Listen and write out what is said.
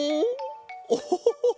オホホホホ！